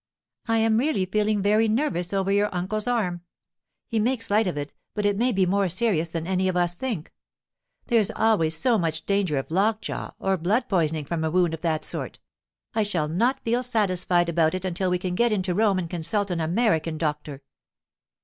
I am really feeling very nervous over your uncle's arm; he makes light of it, but it may be more serious than any of us think. There's always so much danger of lockjaw or blood poisoning from a wound of that sort. I shall not feel satisfied about it until we can get into Rome and consult an American doctor.